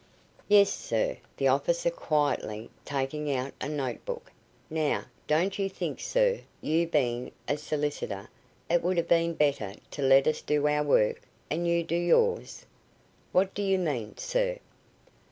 "Yes, sir," the officer, quietly, taking out a note book. "Now, don't you think, sir, you being a solicitor, it would have been better to let us do our work, and you do yours?" "What do you mean, sir?"